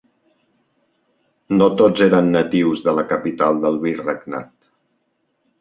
No tots eren natius de la capital del virregnat.